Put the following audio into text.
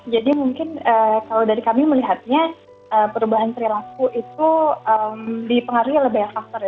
jadi mungkin kalau dari kami melihatnya perubahan perilaku itu dipengaruhi oleh banyak faktor